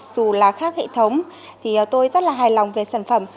dù là khác hệ thống thì tôi rất là hài lòng về sản phẩm